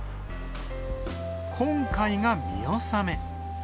今回が見納め。